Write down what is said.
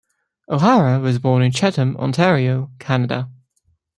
O'Hara was born in Chatham, Ontario, Canada.